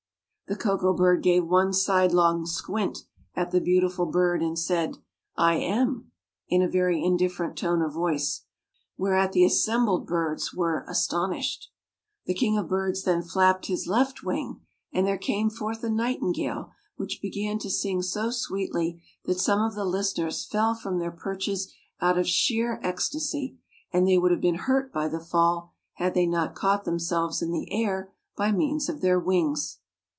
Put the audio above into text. The Koko bird gave one sidelong squint at the beautiful bird and said: "I am," in a very indifferent tone of voice; whereat the assembled birds were astonished. The king of birds then flapped his left wing and there came forth a nightingale which began to sing so sweetly that some of the listeners fell from their perches out of sheer ecstasy and they would have been hurt by the fall had they not caught themselves in the air by means of their wings.